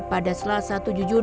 pada selasa dua ribu tujuh belas